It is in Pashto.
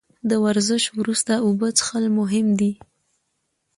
د ورزش وروسته اوبه څښل مهم دي